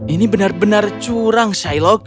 ini benar benar curang shilog